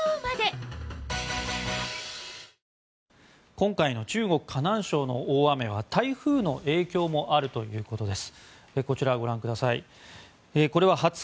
今回の中国・河南省の大雨は台風の影響もあるということです。